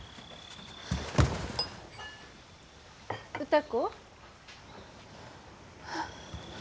歌子？